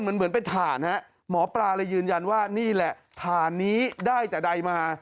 เหมือนเป็นถ่านฮะหมอปลาเลยยืนยันว่านี่แหละถ่านนี้ได้แต่ใดมา